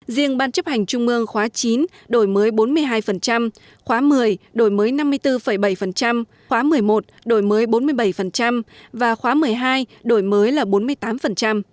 riêng ban chấp hành trung ương khóa chín đổi mới bốn mươi hai khóa một mươi đổi mới năm mươi bốn bảy khóa một mươi một đổi mới bốn mươi bảy và khóa một mươi hai đổi mới là bốn mươi tám